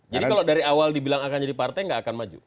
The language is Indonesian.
jadi kalau dari awal dibilang akan jadi partai nggak akan maju